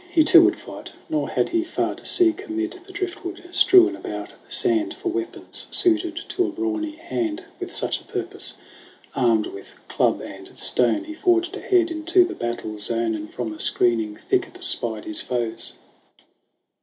He too would fight ! Nor had he far to seek Amid the driftwood strewn about the sand For weapons suited to a brawny hand With such a purpose. Armed with club and stone He forged ahead into the battle zone, And from a screening thicket spied his foes.